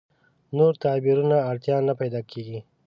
نور تعبیرونو اړتیا نه پیدا کېږي.